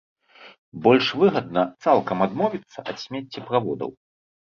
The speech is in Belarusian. Больш выгадна цалкам адмовіцца ад смеццеправодаў.